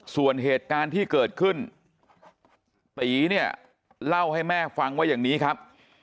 ส่วนเหตุการณ์ที่เกิดขึ้นตีเนี่ยเล่าให้แม่ฟังว่าอย่างนี้ครับ